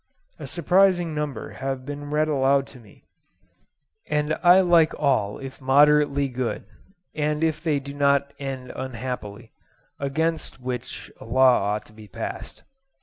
A surprising number have been read aloud to me, and I like all if moderately good, and if they do not end unhappily—against which a law ought to be passed.